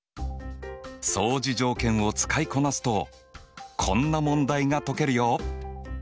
相似条件を使いこなすとこんな問題が解けるよ！